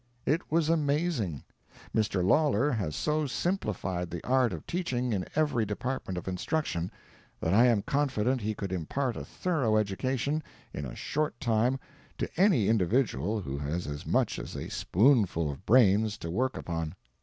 It was amazing. Mr. Lawlor has so simplified the art of teaching in every department of instruction, that I am confident he could impart a thorough education in a short time to any individual who has as much as a spoonful of brains to work upon.